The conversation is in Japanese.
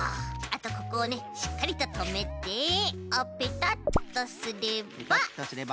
あとここをねしっかりととめてあっペタッとすれば。